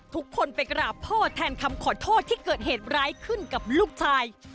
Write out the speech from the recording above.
ทุกคนไปกราบพ่อแทนคำขอโทษที่เกิดเหตุร้ายขึ้นกับลูกชาย